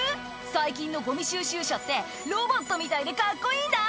最近のゴミ収集車ってロボットみたいでカッコいいんだ」